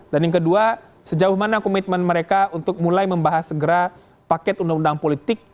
dan yang kedua sejauh mana komitmen mereka untuk mulai membahas segera paket undang undang politik